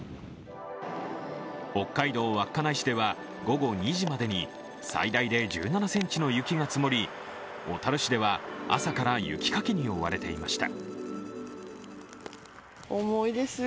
北海道稚内市では午後２時までに最大で１７ｃｍの雪が積もり、小樽市では朝から雪かきに追われていました。